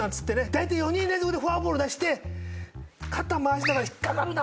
大体４人連続でフォアボール出して肩回しながら「引っ掛かるな」